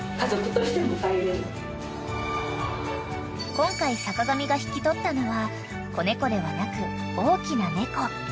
［今回坂上が引き取ったのは子猫ではなく大きな猫］